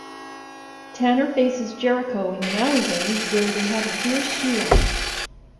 Tanner faces Jericho in an alleyway where they have a fierce shootout.